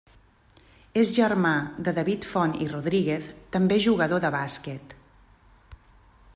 És germà de David Font i Rodríguez, també jugador de bàsquet.